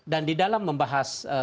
dan di dalam membahas